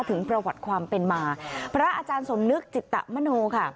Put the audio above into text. ถึงประวัติความเป็นมาพระอาจารย์สมนึกจิตมโนค่ะ